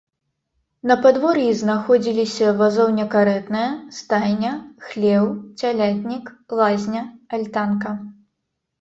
На падвор'і знаходзіліся вазоўня-карэтная, стайня, хлеў, цялятнік, лазня, альтанка.